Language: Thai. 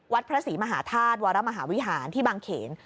พระศรีมหาธาตุวรมหาวิหารที่บางเขน